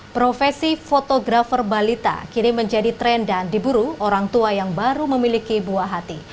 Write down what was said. profesi fotografer balita kini menjadi tren dan diburu orang tua yang baru memiliki buah hati